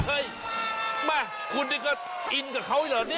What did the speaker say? เฮ่ยมาคุณนี่ก็อินกับเขาเหรอนี่